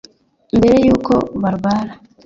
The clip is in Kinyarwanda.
Mbere y’uko barwara